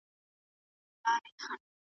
پر بنده باندي هغه ګړی قیامت وي .